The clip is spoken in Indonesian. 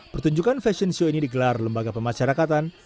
pertunjukan fashion show ini digelar lembaga pemasyarakatan